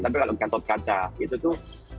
tapi kalau gatot kaca itu tuh